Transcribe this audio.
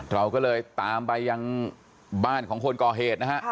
เราก็เลยตามไปยังบ้านของคนก่อเหตุนะฮะ